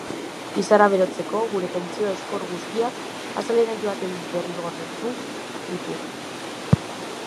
Izara berotzeko gure tentsio ezkor guztiak azalera joaten derrigortu ditugu.